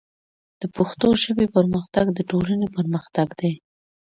د پښتو ژبې پرمختګ د ټولنې پرمختګ دی.